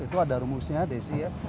itu ada rumusnya desi ya